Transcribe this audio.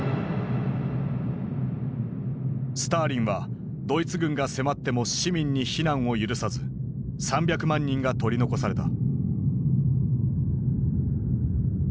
スターリンはドイツ軍が迫っても市民に避難を許さず３００万人が取り残された。